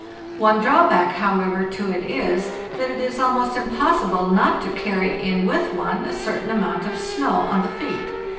One drawback, however, to it is, that it is almost impossible not to carry in with one a certain amount of snow on the feet.